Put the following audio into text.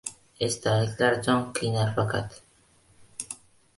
Esdaliklar jon qiynar faqat.